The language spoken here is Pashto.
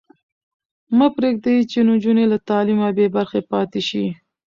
مه پرېږدئ چې نجونې له تعلیمه بې برخې پاتې شي.